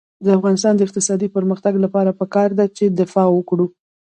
د افغانستان د اقتصادي پرمختګ لپاره پکار ده چې دفاع وکړو.